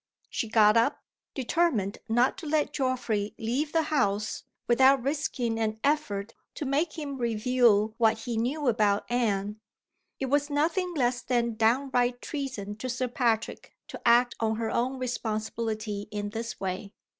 She got up, determined not to let Geoffrey leave the house without risking an effort to make him reveal what he knew about Anne. It was nothing less than downright treason to Sir Patrick to act on her own responsibility in this way.